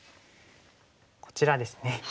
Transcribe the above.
こちらですね。